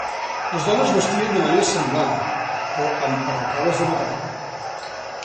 Les dones vestien de manera semblant, però amb arracades de metall.